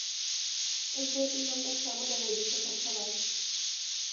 З гэтым нам таксама даводзіцца працаваць.